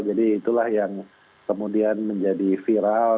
jadi itulah yang kemudian menjadi viral